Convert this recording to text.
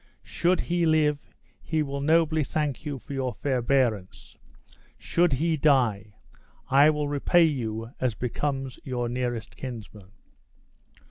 Should he live, he will nobly thank you for your forbearance; should he die, I will repay you as becomes your nearest kinsman."